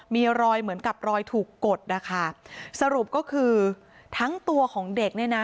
มีรอยเหมือนกับรอยถูกกดนะคะสรุปก็คือทั้งตัวของเด็กเนี่ยนะ